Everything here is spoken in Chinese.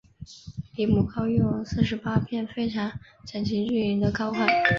离母糕用四十八片非常整齐均匀的糕块。